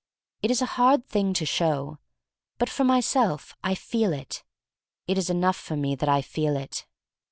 It is a hard thing to show. But, for myself, I feel it. It is enough for me that I feel it.